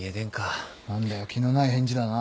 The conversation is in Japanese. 何だよ気のない返事だな。